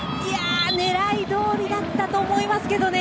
狙いどおりだったと思いますけどね